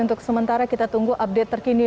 untuk sementara kita tunggu update terkini